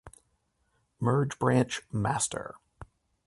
Merge branch master